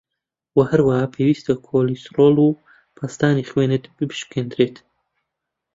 وه هەروەها پێویسته کۆلسترۆڵ و پەستانی خوێنت بپشکێندرێت